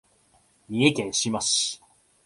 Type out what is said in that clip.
三重県志摩市